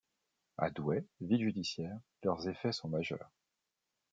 À Douai, ville judiciaire, leurs effets sont majeurs.